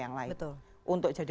yang lain untuk jadi